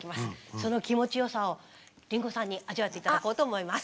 その気持ちよさを林檎さんに味わって頂こうと思います。